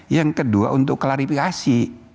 yang kedua untuk klarifikasi